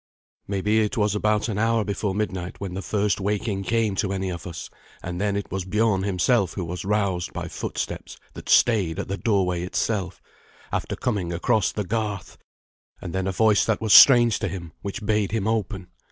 Maybe it was about an hour before midnight when the first waking came to any of us, and then it was Biorn himself who was roused by footsteps that stayed at the doorway itself, after coming across the garth, and then a voice that was strange to him which bade him open.